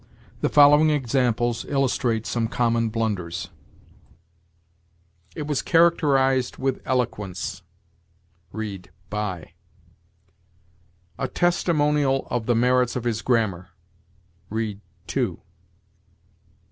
The following examples illustrate some common blunders: "'It was characterized with eloquence': read, 'by.' "'A testimonial of the merits of his grammar': read, 'to.'